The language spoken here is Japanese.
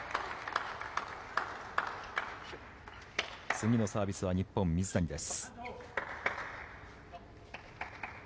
次のサービスは日本、水谷です。